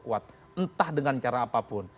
kuat entah dengan cara apapun